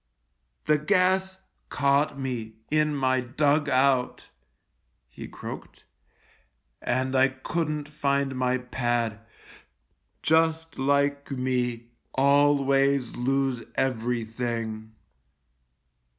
"The gas caught me in my dug out," he croaked, " and I couldn't find my pad. Just like me, always lose everything."